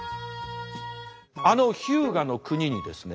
あの日向国にですね